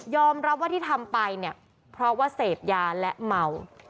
ยอมรับว่าที่ทำไปเพราะว่าเสพยาและเหมา